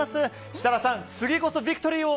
設楽さん、次こそビクトリーを！